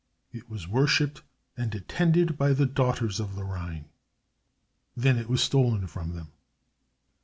It was worshipped and attended by the daughters of the Rhine. Then it was stolen from them.